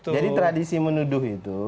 jadi tradisi menuduh itu